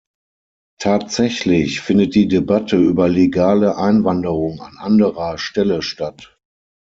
Tatsächlich findet die Debatte über legale Einwanderung an anderer Stelle statt.